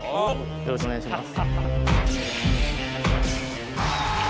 よろしくお願いします。